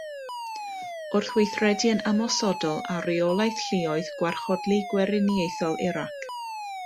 Wrth weithredu'n ymosodol ar Reolaeth Lluoedd Gwarchodlu Gweriniaethol Irac.